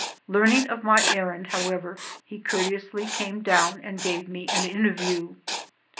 Learning of my errand, however, he courteously came down and gave me an interview.